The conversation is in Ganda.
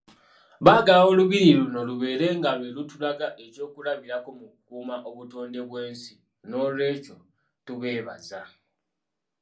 Baagala Olubiri luno lubeere nga lwe lutulaga ekyokulabirako mu kukuuma obutonde bw'ensi nooolwekyo tubeebaza.